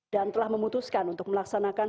dan telah memutuskan untuk melaksanakan